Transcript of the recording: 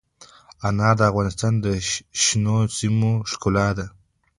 انار د افغانستان د شنو سیمو ښکلا ده.